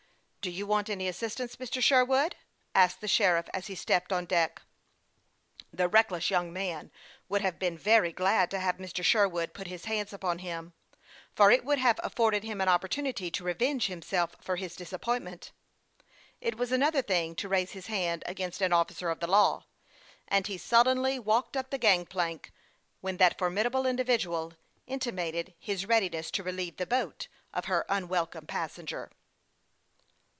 " Dp you want any assistance, Mr. Sherwood ?" asked the sheriff, as he stepped on deck, and looked sharply into Ben's eye. The reckless young man would have been very glad to have Mr. Sherwood put his hand upon him, for it would have afforded him an opportunity to revenge himself for his disappointment. It was an other thing to raise his hand against an officer of the law, and he sullenly walked up the gang plank when that formidable individual intimated his read iness to relieve the boat of her unwelcome passenger.